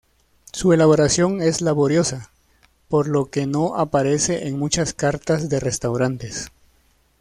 Su elaboración es laboriosa, por lo que no aparece en muchas cartas de restaurantes.